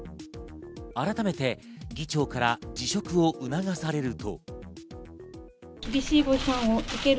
改めて議長から辞職を促されると。